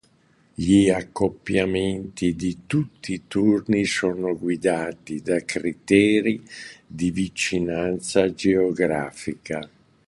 Gli accoppiamenti di tutti i turni sono guidati da criteri di vicinanza geografica.